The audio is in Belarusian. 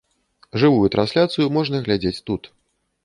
Жывую трансляцыю можна глядзець тут.